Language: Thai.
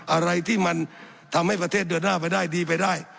อะไรที่มันทำให้ประเทศเดินหน้าไปได้ดีไปได้